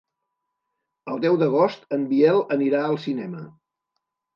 El deu d'agost en Biel anirà al cinema.